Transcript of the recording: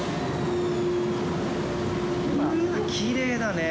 うわっ、きれいだねえ。